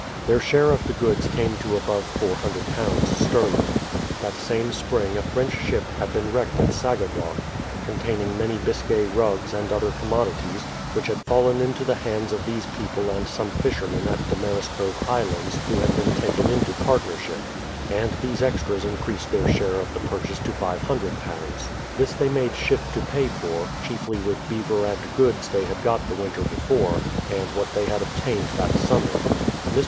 Their share of the goods came to above £400 sterUng. That same spring a French ship had been wrecked at Sagadahoc, containing many Biscay rugs and other commodities, "which had fallen into the hands of these people and some fishermen at Damariscove Islands who had been taken into partnership; and these extras increased their share of the purchase to £500. This they made shift to pay for, chiefly with beaver and goods they had got tlie winter before, and what they had obtained that summer. Mr.